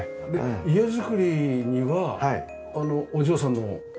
家造りにはお嬢さんの。